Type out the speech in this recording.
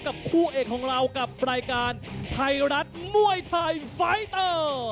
คู่เอกของเรากับรายการไทยรัฐมวยไทยไฟเตอร์